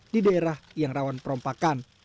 di daerah yang rawan perompakan